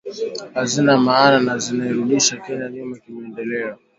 hazina maana na zinairudisha Kenya nyuma kimaendeleo